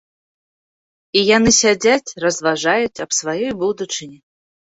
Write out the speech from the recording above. І яны сядзяць, разважаюць аб сваёй будучыні.